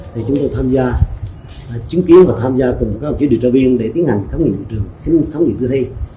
thì chúng tôi tham gia chứng kiến và tham gia cùng các đội trợ viên để tiến hành khám nghiệm trường khám nghiệm tư thi